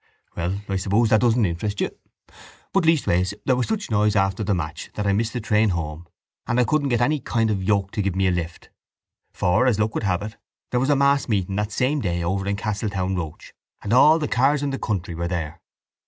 —Well, I suppose that doesn't interest you, but leastways there was such noise after the match that I missed the train home and I couldn't get any kind of a yoke to give me a lift for, as luck would have it, there was a mass meeting that same day over in Castletownroche and all the cars in the country were there.